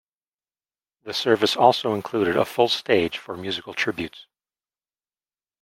The service also included a full stage for musical tributes.